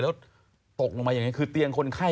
แล้วตกลงมาอย่างนี้คือเตียงคนไข้